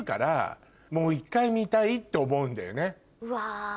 うわ。